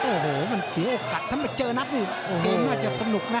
โอ้โหมันเสียโอกาสถ้ามาเจอนับนี่เกมน่าจะสนุกนะ